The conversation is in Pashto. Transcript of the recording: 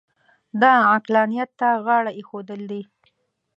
دا عقلانیت ته غاړه اېښودل دي.